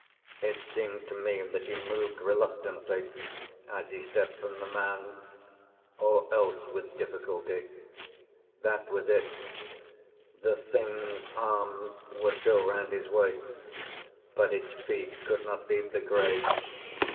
It seemed to me that he moved reluctantly as he stepped from the mound, or else with difficulty. That was it. The Thing's arms were still round his waist, but its feet could not leave the grave.